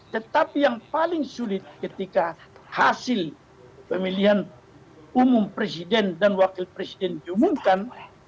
tetapi yang paling sulit ketika hasil pemilihan umum presiden dan wakil presiden diumumkan